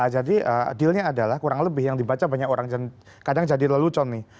jadi dillnya adalah kurang lebih yang dibaca banyak orang kadang jadi lelucon nih